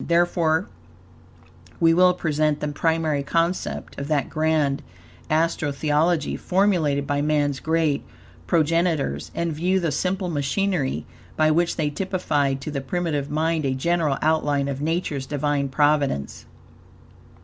Therefore, we will present the primary concept of that grand Astro Theology formulated by man's great progenitors; and view the simple machinery, by which they typified to the primitive mind a general outline of Nature's Divine providence.